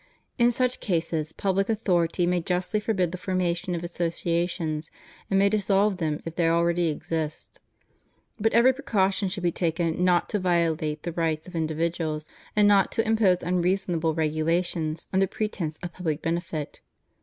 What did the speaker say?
In such cases public authority may justly forbid the formation of associa tions, and may dissolve them if they already exist. But every precaution should be taken not to violate the rights of individuals and not to impose unreasonable regulations under pretence of public benefit.